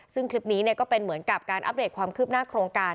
ซึ่งคลิปนี้ก็เป็นเหมือนกับการอัปเดตความคืบหน้าโครงการ